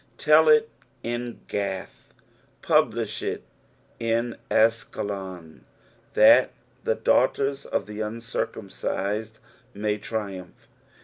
Tell it in Qath, publish it in AsKelnn, that the daughters of the uncircumcised may triumph.